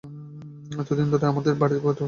এতদিন তিনি আমাদের বাড়িতে পর্যন্ত থাকতেন না।